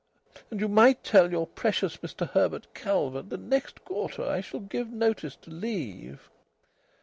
And you might tell your precious Mr Herbert Calvert that next quarter I shall give notice to leave."